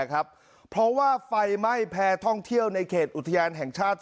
ครับเพราะว่าไฟไหม้แพรท่องเที่ยวในเขตอุทยานแห่งชาติ